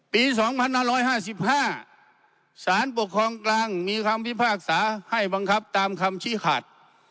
ปีสองพันห้าร้อยห้าสิบห้าสารปกครองกลางมีคำพิพากษาให้บังคับตามคำชี้ขาด